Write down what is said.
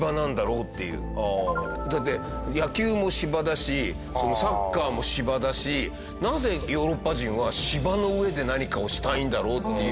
だって野球も芝だしサッカーも芝だしなぜヨーロッパ人は芝の上で何かをしたいんだろうっていう。